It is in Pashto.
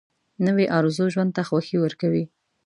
نوې ارزو ژوند ته خوښي ورکوي